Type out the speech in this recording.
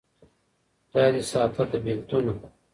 خداى دي ساته له بېـلتونه